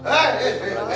pelanggan baca wang yaa